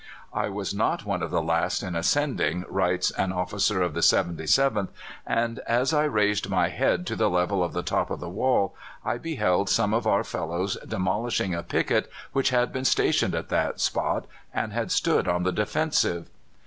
"I was not one of the last in ascending," writes an officer of the 77th, "and as I raised my head to the level of the top of the wall, I beheld some of our fellows demolishing a picket which had been stationed at that spot, and had stood on the defensive.